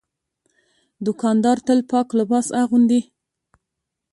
دوکاندار تل پاک لباس اغوندي.